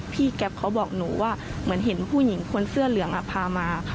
แก๊ปเขาบอกหนูว่าเหมือนเห็นผู้หญิงคนเสื้อเหลืองพามา